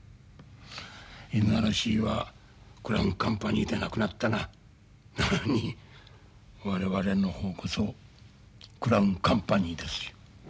ＮＲＣはクラウンカンパニーでなくなったがなに我々の方こそクラウンカンパニーです。